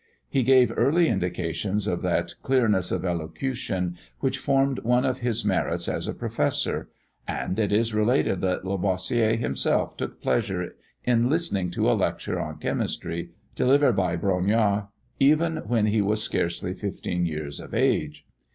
He gave early indications of that clearness of elocution which formed one of his merits as a professor; and it is related that Lavoisier himself took pleasure in listening to a lecture on chemistry delivered by Brongniart even when he was scarcely fifteen years of age.